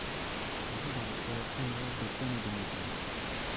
Elle vit dans les forêts primaires de plaine et de montagne.